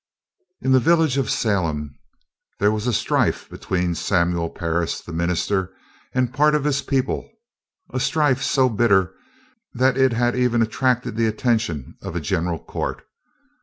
In the village of Salem, there was a strife between Samuel Parris the minister and a part of his people; a strife so bitter, that it had even attracted the attention of a general court.